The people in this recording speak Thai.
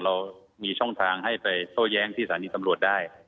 เรามีช่องทางให้ไปโตแย้งตรงสาริธรรมัวได้